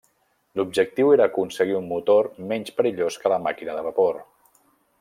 L'objectiu era aconseguir un motor menys perillós que la màquina de vapor.